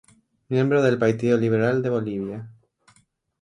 Miembro del Partido Liberal de Bolivia.